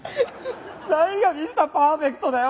何がミスター・パーフェクトだよ。